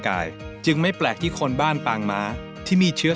ก็ได้เยอะเหมือนกันเยี่ยมเลย